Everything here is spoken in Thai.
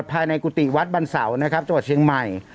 ภายในกุฏิวัดบันเสานะครับจังหวัดเชียงใหม่